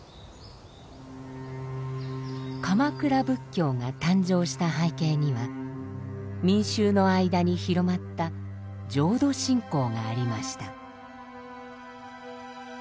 鎌倉仏教が誕生した背景には民衆の間に広まった浄土信仰がありました。